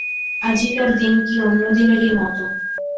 আজিকার দিন কি অন্য দিনেরই মতো।